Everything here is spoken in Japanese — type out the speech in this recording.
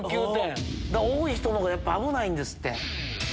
多い人のほうがやっぱ危ないんですって。